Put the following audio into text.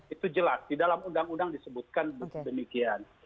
itu jelas di dalam undang undang disebutkan demikian